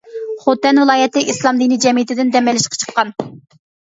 خوتەن ۋىلايەتلىك ئىسلام دىنى جەمئىيىتىدىن دەم ئېلىشقا چىققان.